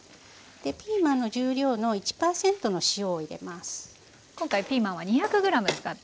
ピーマンの重量の１％の塩を入れます。